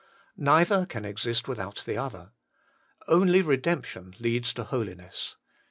Neither can exist without the other. Only redemption leads to holiness.